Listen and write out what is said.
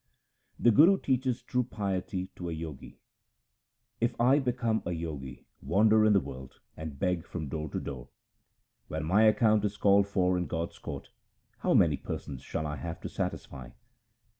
The Guru teaches true piety to a Jogi :— If I become a Jogi, wander in the world, and beg from door to door, When my account is called for in God's court, how many persons shall I have to satisfy